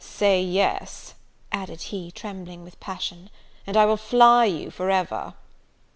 Say yes," added he, trembling with passion, "and I will fly you for ever!"